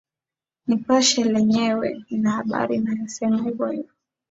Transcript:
nipashe lenyewe lina habari inayosema hivo hivo